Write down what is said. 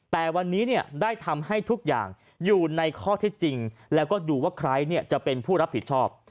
แต่วันนี้ได้ทำให้ทุกอย่างอยู่ในข้อเท็จจริงแล้วก็ดูว่าใครจะเป็นผู้รับผิดชอบ